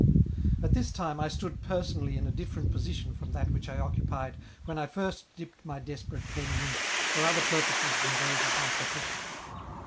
• At this time I stood personally in a different position from that which I occupied when I first dipt my de^* perate pen in ink for other purposes than those of my profession.